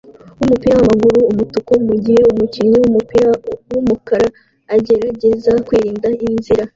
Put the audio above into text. wumupira wamaguru umutuku mugihe umukinnyi wumupira wumukara agerageza kwirinda inzira.